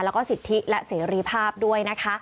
แล้วก็สิทธิและเสรีภาพด้วยนะคะ